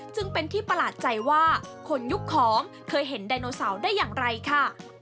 จึงเป็นที่ประหลาดใจว่าคนยุคของเคยเห็นไดโนเสาร์ได้อย่างไรค่ะ